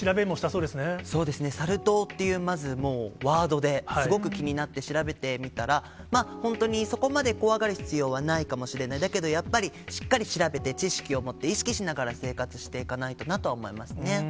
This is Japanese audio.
そうですね、サル痘というワードですごく気になって調べてみたら、本当にそこまで怖がる必要はないかもしれない、だけどやっぱり、しっかり調べて、知識を持って、意識しながら生活していかないとなとは思いますね。